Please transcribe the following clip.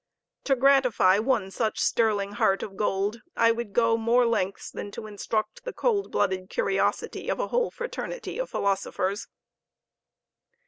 To gratify one such sterling heart of gold, I would go more lengths than to instruct the cold blooded curiosity of a whole fraternity of philosophers.